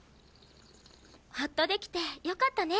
ほっとできてよかったね。